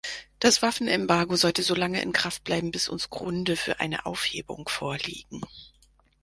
Das Waffenembargo sollte solange in Kraft bleiben, bis uns Gründe für eine Aufhebung vorliegen.